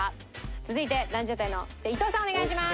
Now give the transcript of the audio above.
続いてランジャタイの伊藤さんお願いします。